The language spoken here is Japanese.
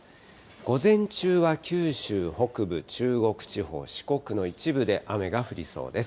午前中は九州北部、中国地方、四国の一部で雨が降りそうです。